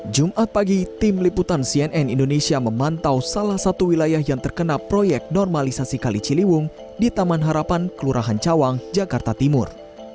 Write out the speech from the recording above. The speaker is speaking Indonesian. jumat pagi tim liputan cnn indonesia memantau salah satu wilayah yang terkena proyek normalisasi kali ciliwung di taman harapan kelurahan cawang jakarta timur